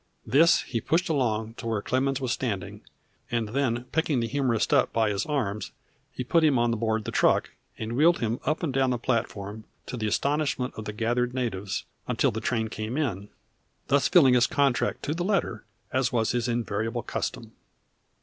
This he pushed along to where Clemens was standing, and then picking the humorist up in his arms he put him on board the truck and wheeled him up and down the platform, to the astonishment of the gathered natives, until the train came in, thus filling his contract to the letter, as was his invariable custom.